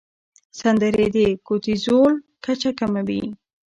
سندرې د کورتیزول کچه کموي.